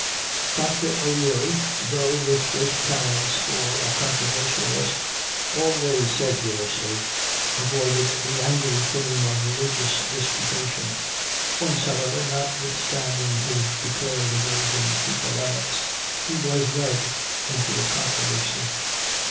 Dr. O'Leary, though with great talents for a controversialist, always sedulously avoided the angry theme of religious disputation. Once, however, notwithstanding his declared aversion to polemics, he was led into a controversy.